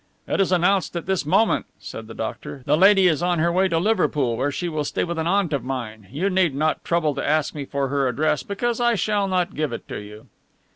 "It is announced at this moment," said the doctor. "The lady is on her way to Liverpool, where she will stay with an aunt of mine. You need not trouble to ask me for her address, because I shall not give it to you."